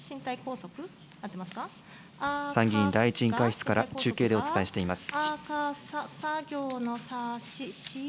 参議院第１委員会室から中継でお伝えしています。